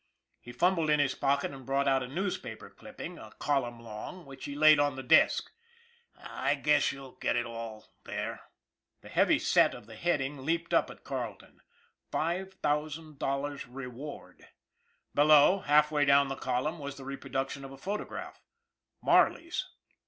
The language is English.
He fumbled in his pocket and brought out a newspaper clipping, a column long, which he laid on the desk. " I guess you'll get it all there." The heavy " set " of the heading leaped up at Carle ton. " $5,000 REWARD." Below, halfway down the column, was the reproduction of a photograph Marley's.